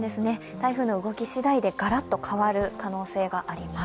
台風の動きしだいで、がらっと変わる可能性があります。